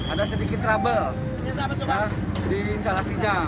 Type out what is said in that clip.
ada sedikit trouble di instalasinya